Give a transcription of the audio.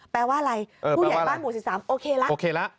แปลว่าอะไรผู้ใหญ่บ้านหมู่๑๓โอเคแล้วโอเคละ